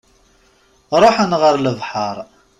Ruḥen ɣer lebḥer.